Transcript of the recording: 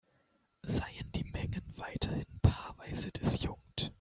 Seien die Mengen weiterhin paarweise disjunkt.